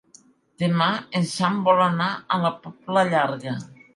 Demà en Sam vol anar a la Pobla Llarga.